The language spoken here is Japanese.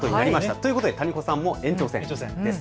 ということで谷保さんも延長線です。